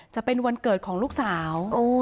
จะเป็นวันเกิดที่มีเรื่องนั้น